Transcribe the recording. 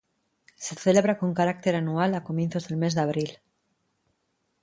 Se celebra con carácter anual, a comienzos del mes de abril.